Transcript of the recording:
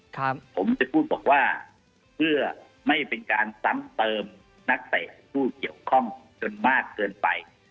ผมจะพูดบอกว่าเพื่อไม่เป็นการซ้ำเติมนักเตะผู้เกี่ยวข้องจนมากเกินไป